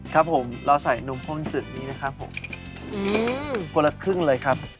ครับผมเราใส่นมข้นจืดนี้นะครับผมอืมคนละครึ่งเลยครับ